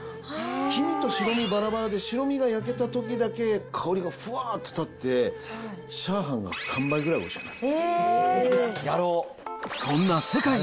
黄身と白身ばらばらで、白身が焼けたときだけ、香りがふわっと立って、チャーハンが３倍くらいおいしくなる。